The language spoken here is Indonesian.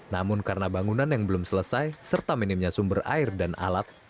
namun karena bangunan yang belum selesai serta minimnya sumber air dan alat